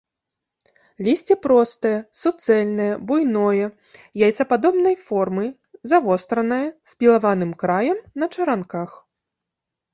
Лісце простае, суцэльнае, буйное, яйцападобнай формы, завостранае, з пілаватым краем, на чаранках.